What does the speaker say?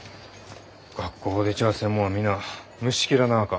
学校を出ちゃあせん者は皆虫けらながか？